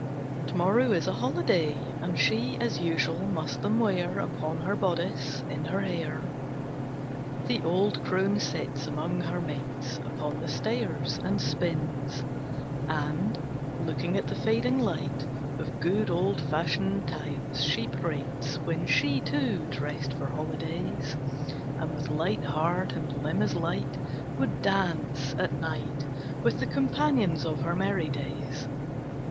To morrow is a holiday, And she, as usual, must them wear Upon her bodice, in her hair. The old crone sits among her mates, Upon the stairs, and spins; And, looking at the fading light, Of good old fashioned times she prates, When she, too, dressed for holidays, And with light heart, and limb as light, Would dance at night With the companions of her merry days.